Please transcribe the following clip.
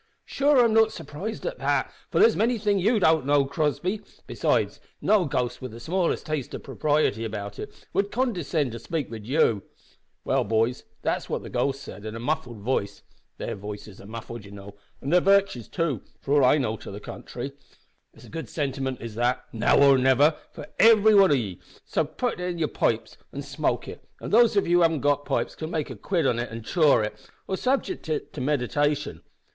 "Sure, I'm not surprised at that for there's many things ye don't know, Crossby; besides, no ghost with the smallest taste of propriety about it would condescind to spake wid you. Well, boys, that's what the ghost said in a muffled vice their vices are muffled, you know, an their virtues too, for all I know to the contrairy. It's a good sentiment is that `Now or niver' for every wan of ye so ye may putt it in yer pipes an' smoke it, an' those of ye who haven't got pipes can make a quid of it an' chaw it, or subject it to meditation.